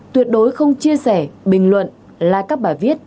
tuyệt đối không chia sẻ bình luận like các bài viết